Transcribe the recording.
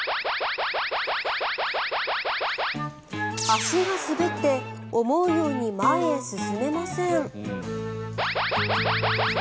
足が滑って思うように前へ進めません。